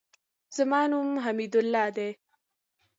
زما نوم حمیدالله دئ.